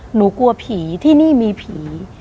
หนูกลัวผีที่นี่มีผี